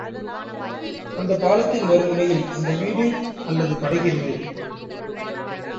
அந்தப் பாலத்தின் மறுமுனையில், அந்த வீடு அல்லது படகு இருந்தது.